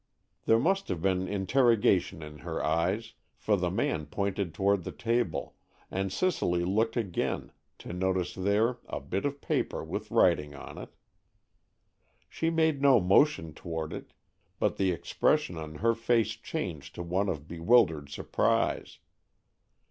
There must have been interrogation in her eyes, for the man pointed toward the table, and Cicely looked again, to notice there a bit of paper with writing on it. She made no motion toward it, but the expression on her face changed to one of bewildered surprise.